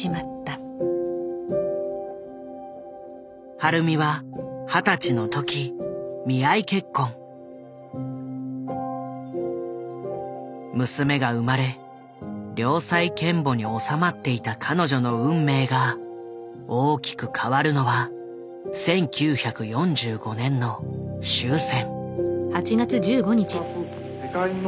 晴美は娘が生まれ良妻賢母におさまっていた彼女の運命が大きく変わるのは１９４５年の終戦。